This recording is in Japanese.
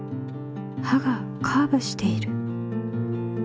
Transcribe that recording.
刃がカーブしている。